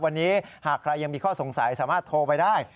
วันนี้หากใครยังมีข้อสงสัยสามารถโทรไปได้